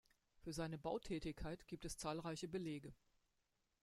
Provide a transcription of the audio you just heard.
Für seine Bautätigkeit gibt es zahlreiche Belege.